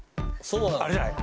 あれじゃない？